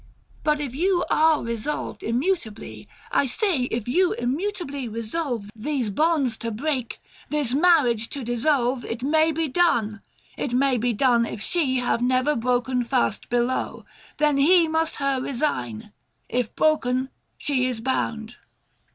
685 But if you are resolved immutably — I say, if you immutably resolve These bonds to break, this marriage to dissolve, It may be done ; it may be done, if she Have never broken fast below : then he 690 Must her resign ; if broken, she is bound."